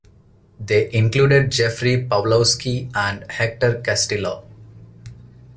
They included Jeffrey Pawlowski and Hector Castillo.